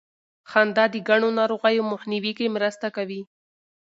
خندا د ګڼو ناروغیو مخنیوي کې مرسته کوي.